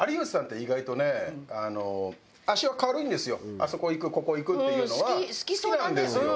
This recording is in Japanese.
あそこ行くここ行くっていうのは好きなんですよ。